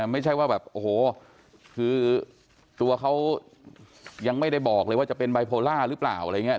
ไม่ใช่ว่าแบบโอ้โหคือตัวเขายังไม่ได้บอกเลยว่าจะเป็นไบโพล่าหรือเปล่าอะไรอย่างนี้